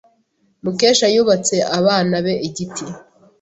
Mukesha yubatse abana be igiti.